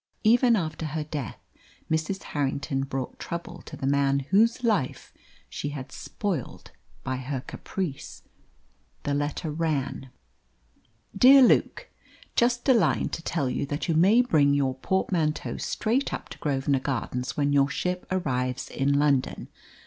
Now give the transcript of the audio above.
Even after her death Mrs. Harrington brought trouble to the man whose life she had spoilt by her caprice. The letter ran "DEAR LUKE, Just a line to tell you that you may bring your portmanteau straight up to Grosvenor Gardens when your ship arrives in London.